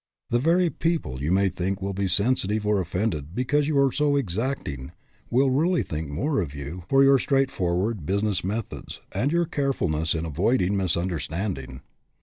The very people you may think will be sensitive or offended because you are so exacting will really think more of you for your straightforward business methods and your carefulness in avoiding misunder standing.